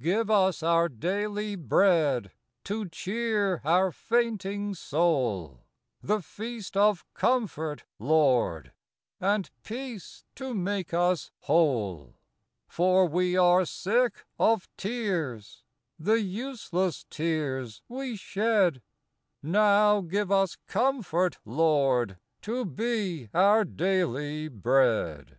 Give us our daily Bread To cheer our fainting soul; The feast of comfort, Lord, And peace to make us whole : For we are sick of tears, The useless tears we shed; — Now give us comfort, Lord, To be our daily Bread.